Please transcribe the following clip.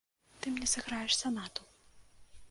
Ты мне сыграеш санату.